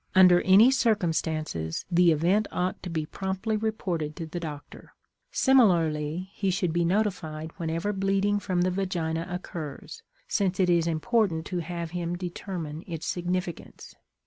Under any circumstances the event ought to be promptly reported to the doctor. Similarly, he should be notified whenever bleeding from the vagina occurs, since it is important to have him determine its significance.